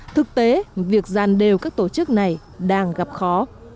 thực tế việc gian đều các tổ chức này đang gặp khó